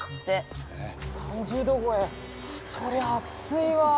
そりゃ暑いわ。